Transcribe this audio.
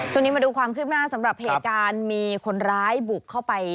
มาดูความคืบหน้าสำหรับเหตุการณ์มีคนร้ายบุกเข้าไป